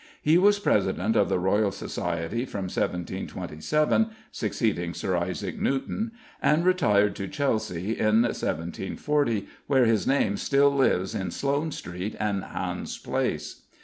He was president of the Royal Society from 1727 (succeeding Sir Isaac Newton), and retired to Chelsea in 1740, where his name still lives in Sloane Street and Hans Place.